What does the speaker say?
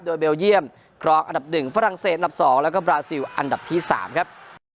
โดยเบลเยี่ยมครองอันดับ๑ฝรั่งเศสอันดับ๒แล้วก็บราซิลอันดับที่๓ครับ